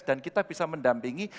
dan kita bisa mendampingi